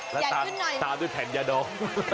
จากนั้นตามที่แผนยะดง